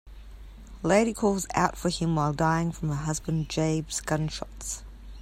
Lady calls out for him while dying from her husband Jabe's gunshots.